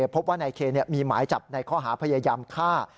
พบว่านายเคมีหมายจับในข้อหาพยายามฆ่า